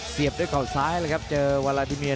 เสียบด้วยเขาซ้ายเลยครับเจอวาลาดิเมีย